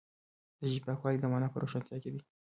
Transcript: د ژبې پاکوالی د معنا په روښانتیا کې دی.